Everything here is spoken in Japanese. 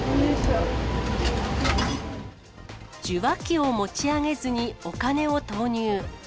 受話器を持ち上げずにお金を投入。